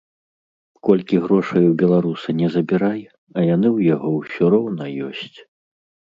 Колькі грошай у беларуса не забірай, а яны ў яго ўсё роўна ёсць.